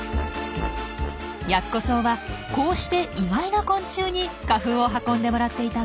ヤッコソウはこうして意外な昆虫に花粉を運んでもらっていたんです。